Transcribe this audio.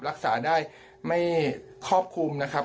รักษาได้ไม่ครอบคลุมนะครับ